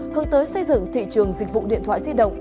hướng tới xây dựng thị trường dịch vụ điện thoại di động